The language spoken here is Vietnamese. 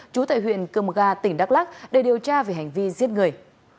chú tại huyện cơm gà tỉnh đắk lắc để điều tra về hành vi giết người